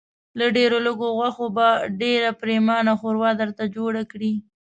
له ډېرو لږو غوښو به ډېره پرېمانه ښوروا درته جوړه کړي.